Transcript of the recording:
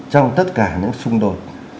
trong tất cả những xung đột